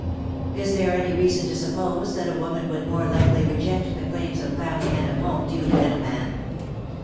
Is there any reason to suppose that a woman would more likely reject the claims of family and of home duty than a man